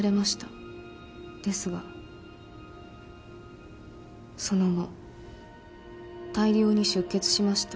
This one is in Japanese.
ですがその後大量に出血しました。